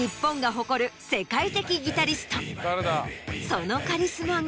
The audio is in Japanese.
そのカリスマが。